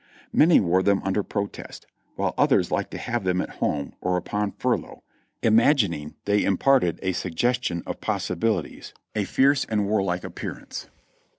Many wore them under protest, while others liked to have them at home or upon a furlough, im agining they imparted a suggestion of possibilities, a fierce and 422 JOHNNY REB AND BILLY YANK warlike appearance.